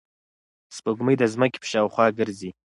سپوږمۍ د ځمکې په شاوخوا ګرځي.